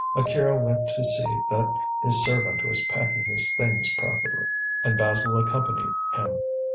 Akira went to see that his servant was packing his things properly, and Basil accompanied him.